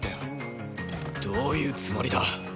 どういうつもりだ！？